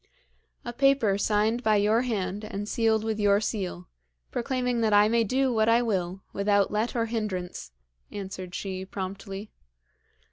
'A paper signed by your hand, and sealed with your seal, proclaiming that I may do what I will, without let or hindrance,' answered she promptly.